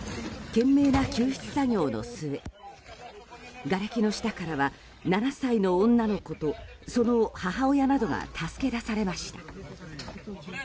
懸命な救出作業の末がれきの下からは７歳の女の子と、その母親などが助け出されました。